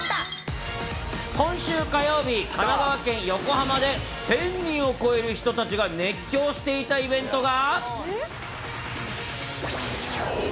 今週火曜日、神奈川県横浜で１０００人を超える人たちが熱狂していたイベントが。